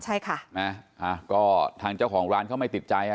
ใช่ค่ะนะอ่าก็ทางเจ้าของร้านเขาไม่ติดใจอ่ะ